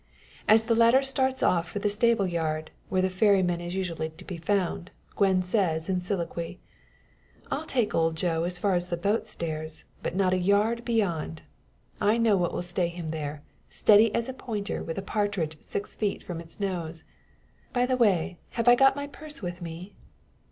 As the latter starts off for the stable yard, where the ferryman is usually to be found, Gwen says, in soliloquy "I'll take old Joe as far as the boat stairs; but not a yard beyond. I know what will stay him there steady as a pointer with a partridge six feet from its nose. By the way, have I got my purse with me?"